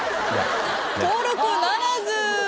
登録ならず。